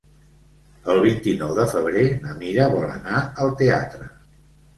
El vint-i-nou de febrer na Mira vol anar al teatre.